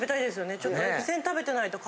ちょっと。